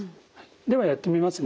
ではやってみますね。